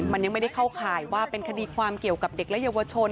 มันยังไม่ได้เข้าข่ายว่าเป็นคดีความเกี่ยวกับเด็กและเยาวชน